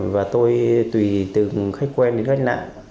và tôi tùy từ khách quen đến khách nạ